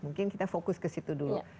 mungkin kita fokus ke situ dulu